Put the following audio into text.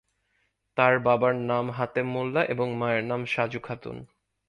তার বাবার নাম হাতেম মোল্লা এবং মায়ের নাম সাজু খাতুন।